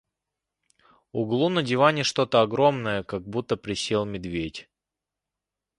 углу на диване что-то огромное, как будто присел медведь.